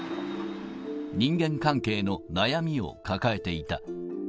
人間関係の悩みを抱えていた。